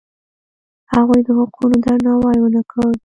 هغوی د حقونو درناوی ونه کړ.